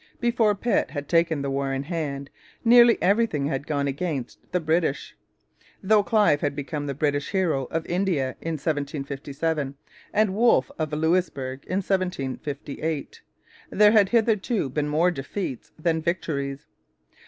Before Pitt had taken the war in hand nearly everything had gone against the British. Though Clive had become the British hero of India in 1757, and Wolfe of Louisbourg in 1758, there had hitherto been more defeats than victories.